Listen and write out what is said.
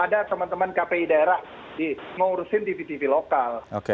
ada teman teman kpi daerah ngurusin tv tv lokal